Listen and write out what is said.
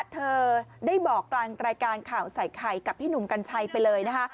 เธอได้บอกกลางรายการข่าวใส่ไข่กับพี่หนุ่มกัญชัยไปเลยนะคะ